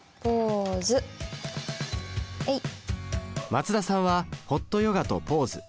松田さんは「ホットヨガ」と「ポーズ」。